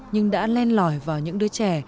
nhưng đã len lỏi vào những đứa trẻ